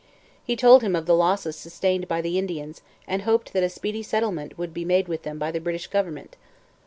He told him of the losses sustained by the Indians, and hoped that a speedy settlement would be made with them by the British government.